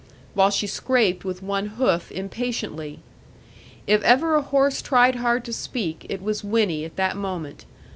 while she scraped with one hoof impatiently. If ever a horse tried hard to speak, it was Winnie at that moment.